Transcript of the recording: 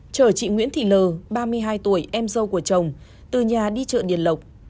chở chị nguyễn thị l ba mươi hai tuổi em dâu của chồng từ nhà đi chợ điền lộc